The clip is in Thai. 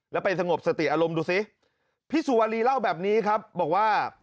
แล้วไปสงบสติอารมณ์ดูสิพี่สุวรีเล่าแบบนี้ครับบอกว่า